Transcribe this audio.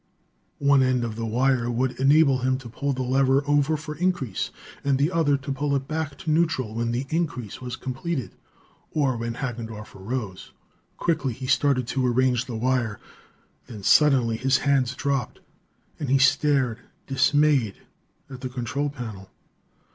One end of the wire would enable him to pull the lever over for increase, and the other to pull it back to neutral when the increase was completed, or when Hagendorff arose. Quickly he started to arrange the wire. Then suddenly his hands dropped and he stared dismayed at the control panel.